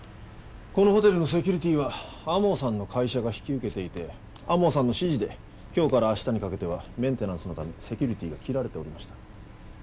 このホテルのセキュリティーは天羽さんの会社が引き受けていて天羽さんの指示で今日から明日にかけてはメンテナンスのためセキュリティーが切られておりました。